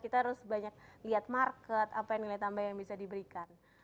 kita harus banyak lihat market apa yang nilai tambah yang bisa diberikan